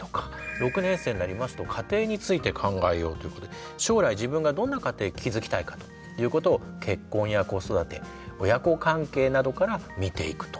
６年生になりますと家庭について考えようということで将来自分がどんな家庭築きたいかということを結婚や子育て親子関係などから見ていくと。